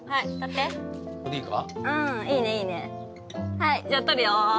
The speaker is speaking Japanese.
はいじゃあ撮るよ。